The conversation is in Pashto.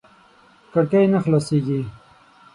کړکۍ نه خلاصېږي .